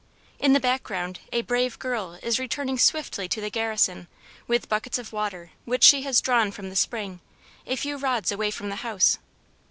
In the background a brave girl is returning swiftly to the garrison, with buckets of water which she has drawn from the spring, a few rods away from the house.